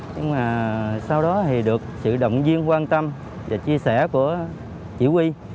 nhưng mà sau đó thì được sự động viên quan tâm và chia sẻ của chỉ huy